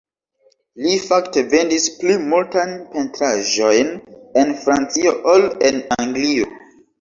Li fakte vendis pli multajn pentraĵojn en Francio ol en Anglio.